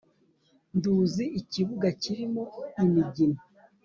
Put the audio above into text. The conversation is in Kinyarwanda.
nduzi ikibuga kirimo imigina.